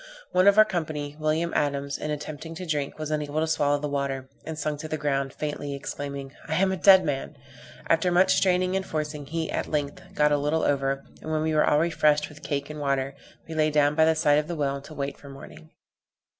One of our company, William Adams, in attempting to drink, was unable to swallow the water, and sunk to the ground, faintly exclaiming, "I am a dead man!" After much straining and forcing, he, at length, got a little over; and when we were all refreshed with the cake and water, we lay down by the side of the well to wait for morning.